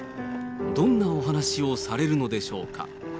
どんなお話をされるのでしょうか。